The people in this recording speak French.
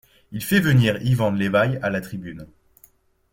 Il fait venir Ivan Levaï à la Tribune.